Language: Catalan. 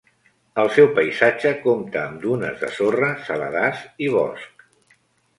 El seu paisatge compta amb dunes de sorra, saladars i bosc.